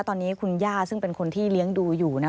ตอนนี้คุณย่าซึ่งเป็นคนที่เลี้ยงดูอยู่